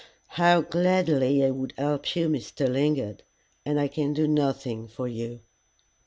How gladly I would help you, Mr. Lingard, and I can do nothing for you.